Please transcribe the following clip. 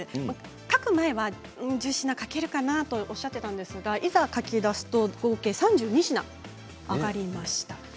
書く前は１０品書けるかなとおっしゃっていたんですがいざ書き出すと合計３２品上がりました。